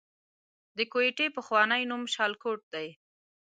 د کوټې پخوانی نوم شالکوټ دی